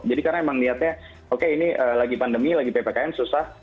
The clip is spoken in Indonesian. jadi karena emang niatnya oke ini lagi pandemi lagi ppkm susah